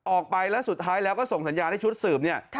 ออกไปแล้วสุดท้ายแล้วก็ส่งสัญญาณให้ชุดสืบเนี่ย